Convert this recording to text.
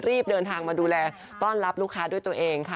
รีบเดินทางมาดูแลต้อนรับลูกค้าด้วยตัวเองค่ะ